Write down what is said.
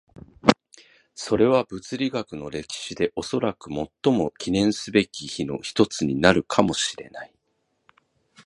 それは物理学の歴史でおそらく最も記念すべき日の一つになるかもしれない。